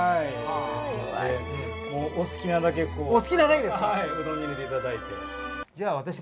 もうお好きなだけうどんに入れていただいて！